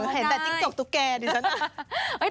เห็นแต่จิ้งจกตุ๊กแก่ดิฉันน่ะ